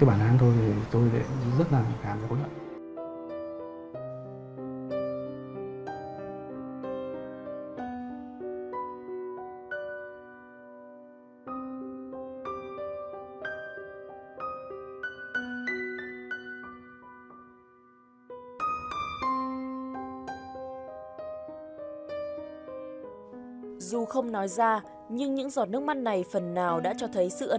cái bản án tôi sẽ xứng đáng nhận được như thế